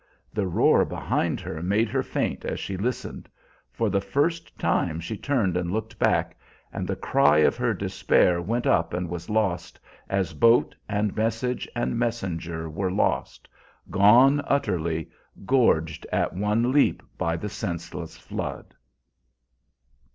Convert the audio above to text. The roar behind her made her faint as she listened. For the first time she turned and looked back, and the cry of her despair went up and was lost, as boat and message and messenger were lost, gone utterly, gorged at one leap by the senseless flood.